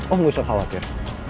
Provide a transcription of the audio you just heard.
om nggak usah khawatir